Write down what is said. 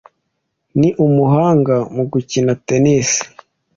Ni umuhanga mu gukina tennis.